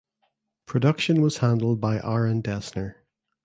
Production was handled by Aaron Dessner.